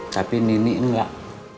tapi nini enggak